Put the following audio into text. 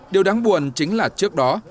điều đáng buồn chính là trước đó